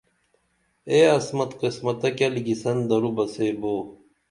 اے عصمت قسمتہ کیہ لِکِسن درو بہ سے بو